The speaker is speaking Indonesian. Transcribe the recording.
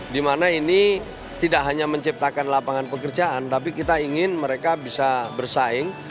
dimana ini tidak hanya menciptakan lapangan pekerjaan tapi kita ingin mereka bisa bersaing